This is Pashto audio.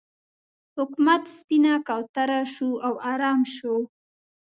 حکومت سپینه کوتره شو او ارام شو.